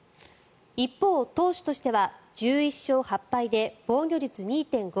一方、投手としては１１勝８敗で防御率２．５８。